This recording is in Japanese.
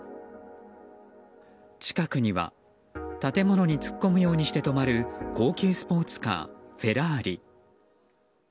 近くには建物に突っ込むようにして止まる高級スポーツカー、フェラーリ。